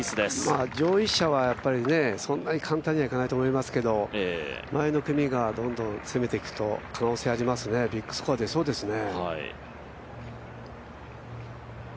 上位者はそんなに簡単にはいかないと思いますけど前の組がどんどん詰めていくと、可能性ありますね、ビッグスコア出そうですね。